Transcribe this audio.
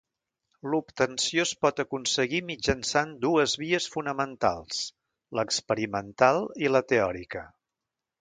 L'obtenció es pot aconseguir mitjançant dues vies fonamentals: l'experimental i la teòrica.